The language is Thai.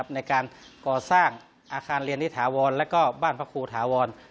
ในการก่อสร้างอาคารเรียนนิถาวรและก็บ้านพระครูถาวร